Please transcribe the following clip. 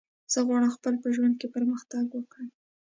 زه غواړم خپل په ژوند کی پرمختګ وکړم